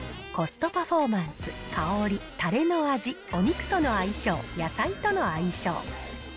コストパフォーマンス、香り、たれの味、お肉との相性、野菜との相性。